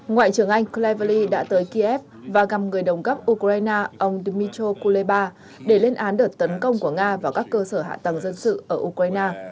ngoại trưởng anh cleverley đã tới kiev và gặp người đồng cấp ukraine ông dmitr kuleba để lên án đợt tấn công của nga vào các cơ sở hạ tầng dân sự ở ukraine